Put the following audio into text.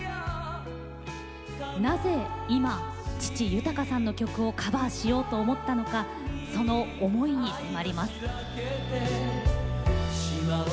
なぜ今父豊さんの曲をカバーしようと思ったのかその思いに迫ります。